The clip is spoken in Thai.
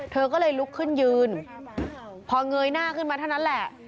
เธอก็เลยลุกขึ้นยืนพอเงยหน้าขึ้นมาเท่านั้นแหละ